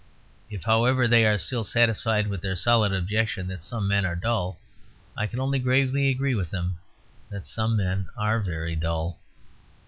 If, however, they are still satisfied with their solid objection that some men are dull, I can only gravely agree with them, that some men are very dull.